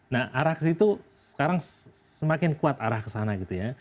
nah arah ke situ sekarang semakin kuat arah ke sana gitu ya